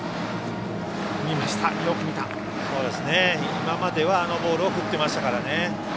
今まではあのボールを振ってましたからね。